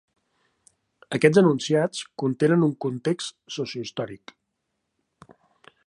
Aquests enunciats contenen un context sociohistòric.